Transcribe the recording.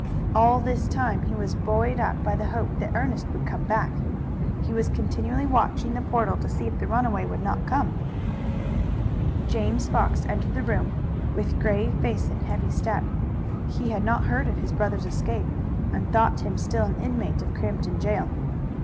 All this time he was buoyed up by the hope that Ernest would come back. He was continually watching the portal to see if the runaway would not come. James Fox entered the room with grave face and heavy step. He had not heard of his brother's escape and thought him still an inmate of Crampton jail.